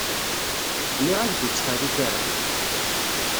Nniɣ-ak-d ur ttḥerrik ara.